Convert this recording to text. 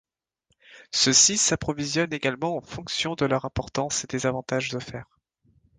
Ceux-ci s’approvisionnent également en fonction de leur importance et des avantages offerts.